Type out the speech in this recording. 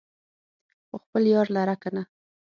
خو خپل يار لره کنه